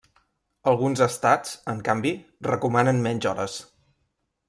Alguns estats, en canvi, recomanen menys hores.